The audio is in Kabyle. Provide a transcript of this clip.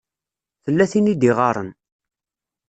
Tella tin i d-iɣaṛen.